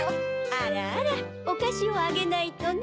あらあらおかしをあげないとね。